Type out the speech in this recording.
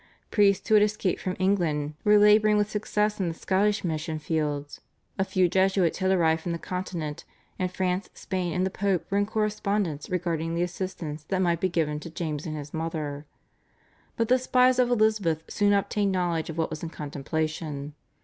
Priests who had escaped from England were labouring with success in the Scottish mission fields; a few Jesuits had arrived from the Continent, and France, Spain, and the Pope were in correspondence regarding the assistance that might be given to James and his mother. But the spies of Elizabeth soon obtained knowledge of what was in contemplation.